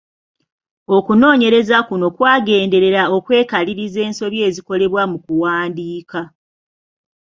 Okunoonyereza kuno kwagenderera kwekaliriza nsobi ezikolebwa mu kuwandiika.